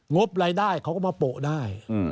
บรายได้เขาก็มาโปะได้